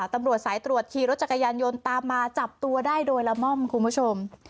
ตำรวจสายตรวจขี่รถจักรยานยนต์ตามมาจับตัวได้โดยละม่อมคุณผู้ชม